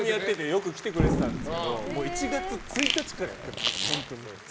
よく来てくれてたんですけど１月１日からやってるから。